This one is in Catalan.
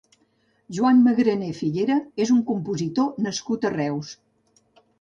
Joan Magrané Figuera és un compositor nascut a Reus.